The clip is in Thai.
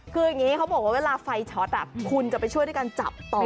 คืออย่างนี้เขาบอกว่าเวลาไฟช็อตคุณจะไปช่วยด้วยการจับต่อ